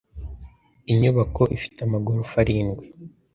Inyubako ifite amagorofa arindwi.